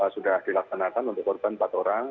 sudah dilaksanakan untuk korban empat orang